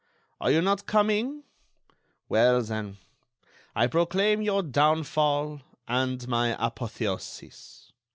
Are you not coming? Well, then, I proclaim your downfall and my apotheosis.